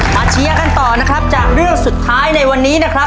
เชียร์กันต่อนะครับจากเรื่องสุดท้ายในวันนี้นะครับ